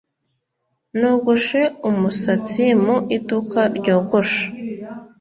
Nogoshe umusatsi mu iduka ryogosha.